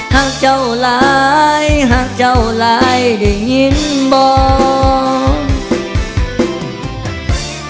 หากเจ้าหลายหากเจ้าหลายได้ยินบอก